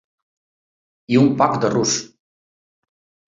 I un poc de rus.